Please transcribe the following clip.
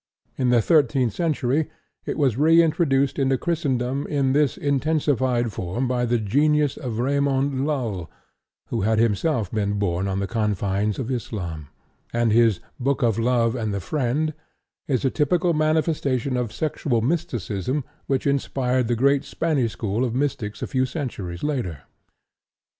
In the thirteenth century it was reintroduced into Christendom in this intensified form by the genius of Raymond Lull who had himself been born on the confines of Islam, and his "Book of the Lover and the Friend" is a typical manifestation of sexual mysticism which inspired the great Spanish school of mystics a few centuries later.